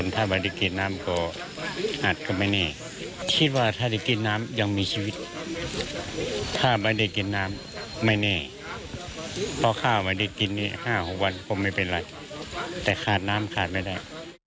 แต่ขาดน้ำขาดไม่ได้